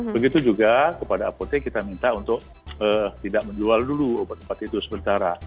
begitu juga kepada apotek kita minta untuk tidak menjual dulu obat obat itu sementara